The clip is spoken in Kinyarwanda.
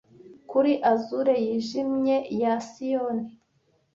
kuri azure yijimye ya sioni